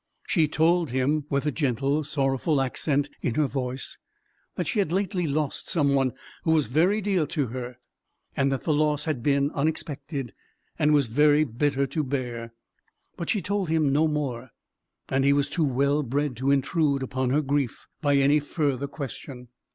She told him, with a gentle sorrowful accent in her voice, that she had lately lost some one who was very dear to her; and that the loss had been unexpected, and was very bitter to bear. But she told him no more; and he was too well bred to intrude upon her grief by any further question.